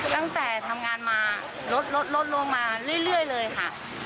ตั้งแต่ทำงานมาลดลงมาเรื่อยเลยค่ะ